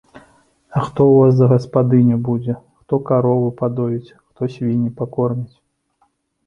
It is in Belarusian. А хто ў вас за гаспадыню будзе, хто каровы падоіць, хто свінні пакорміць?